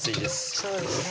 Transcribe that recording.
そうですね